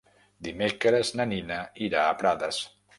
Dimecres na Nina irà a Prades.